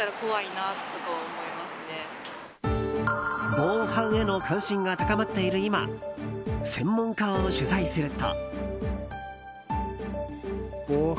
防犯への関心が高まっている今専門家を取材すると。